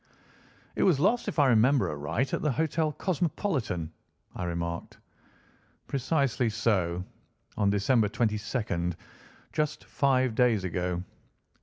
"It was lost, if I remember aright, at the Hotel Cosmopolitan," I remarked. "Precisely so, on December 22nd, just five days ago.